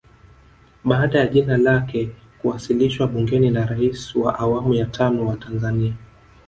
Baada ya jina lake kuwasilishwa bungeni na Rais wa awamu ya tano wa Tanzania